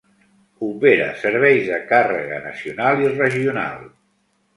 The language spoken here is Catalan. Opera serveis de càrrega nacional i regional.